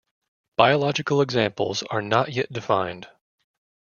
Biological examples are not yet defined.